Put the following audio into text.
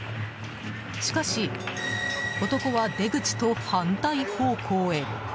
しかし、男は出口と反対方向へ。